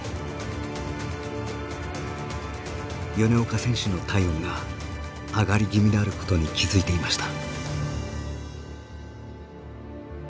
米岡選手の体温が上がり気味であることに気付いていました。